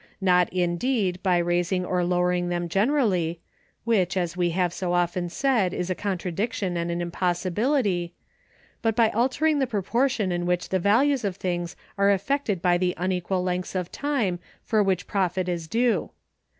Not, indeed, by raising or lowering them generally (which, as we have so often said, is a contradiction and an impossibility), but by altering the proportion in which the values of things are affected by the unequal lengths of time for which profit is due.